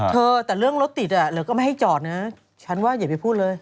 เธอแต่เรื่องรถติดอ่ะเหลือก็ไม่ให้จอดนะฉันว่าอย่าไปพูดเลย